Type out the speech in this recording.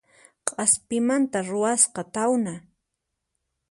K'aspimanta ruwasqa tawna